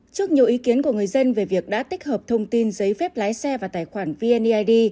trước nhiều ý kiến của người dân về việc đã tích hợp thông tin giấy phép lái xe và tài khoản vned